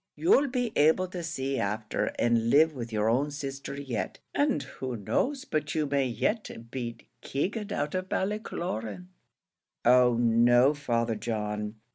"You'll be able to see after, and live with your own sister yet; and who knows but you may yet beat Keegan out of Ballycloran?" "Oh, no, Father John!